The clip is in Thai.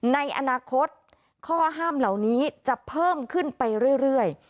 ในอนาคตข้อห้ามเหล่านี้จะเพิ่มขึ้นไปเรื่อย